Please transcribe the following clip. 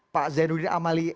pak zainuddin amali